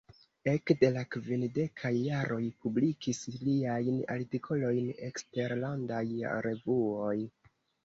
Ekde la kvindekaj jaroj publikis liajn artikolojn eksterlandaj revuoj.